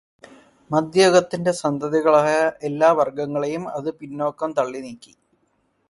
മദ്ധ്യയുഗത്തിന്റെ സന്തതികളായ എല്ലാ വർഗ്ഗങ്ങളേയും അതു് പിന്നോക്കം തള്ളിനീക്കി.